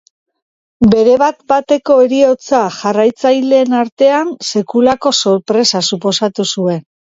Bere bat bateko heriotza jarraitzaileen artean sekulako sorpresa suposatu zuen.